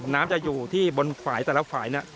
น้ำจะอยู่ที่บนฝ่ายแต่ละฝ่ายเนี่ย